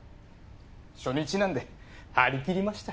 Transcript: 初日なんで張り切りました。